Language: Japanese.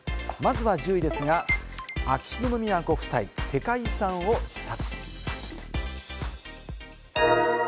まずは１０位、秋篠宮ご夫妻、世界遺産を視察。